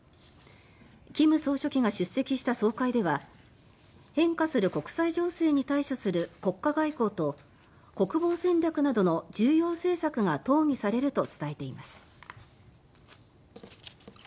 金総書記が出席した総会では変化する国際情勢に対処する国家外交と国防戦略などの重要政策が討議されると伝えています。